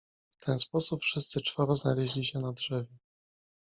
W ten sposób wszyscy czworo znaleźli się na drzewie.